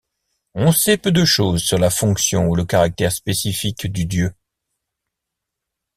On sait peu de choses sur la fonction ou le caractère spécifique du dieu.